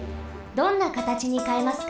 どんな形にかえますか？